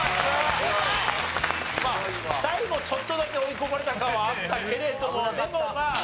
最後ちょっとだけ追い込まれた感はあったけれどもでもまあね